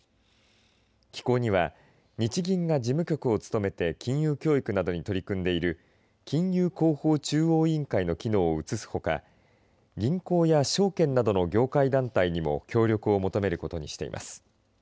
機構には日銀が事務局を務めて金融教育などに取り組んでいる金融広報中央委員会の機能を移すほか銀行や証券などの業界団体にも協力を求めることにしています。